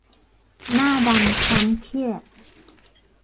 หน้าดำคล้ำเครียด